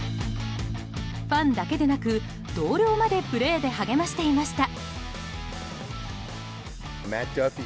ファンだけでなく同僚までプレーで励ましていました。